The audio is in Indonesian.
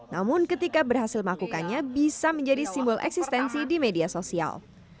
namun ketika berhasil melakukannya bisa menjadi simbol eksistensi di media sosial